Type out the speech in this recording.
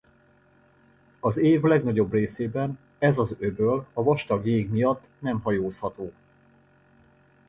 Az év legnagyobb részében ez az öböl a vastag jég miatt nem hajózható.